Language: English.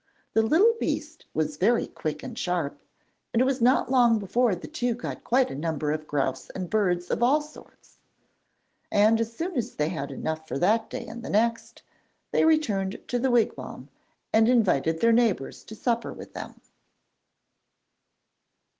The little beast was very quick and sharp, and it was not long before the two got quite a number of grouse and birds of all sorts; and as soon as they had enough for that day and the next, they returned to the wigwam and invited their neighbours to supper with them.